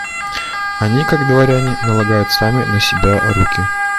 Они, как дворяне, налагают сами на себя руки.